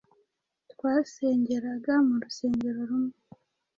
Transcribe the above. twasengeraga mu rusengero rumwe